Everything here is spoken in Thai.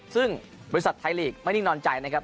ซึ่งบริษัทไทยลีกไม่นิ่งนอนใจนะครับ